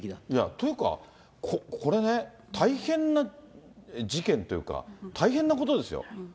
というか、これね、大変な事件というか、大変なことですよ。